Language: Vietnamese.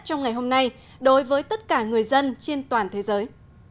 trong ngày hôm nay đối với tất cả người dân trên toàn thế giới